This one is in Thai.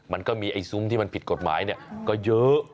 มันก็มีไอ้ซุ้มที่มันผิดกฎหมายก็เยอะ